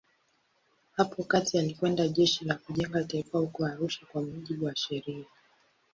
Hapo kati alikwenda Jeshi la Kujenga Taifa huko Arusha kwa mujibu wa sheria.